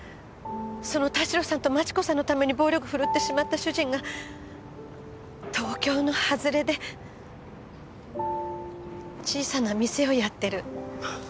その田代さんと万智子さんのために暴力ふるってしまった主人が東京の外れで小さな店をやってる。